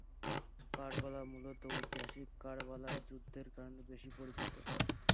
কারবালা মূলত ঐতিহাসিক কারবালার যুদ্ধের কারণে বেশি পরিচিত।